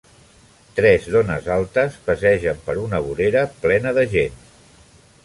Tres dones altes passegen per una vorera plena de gent.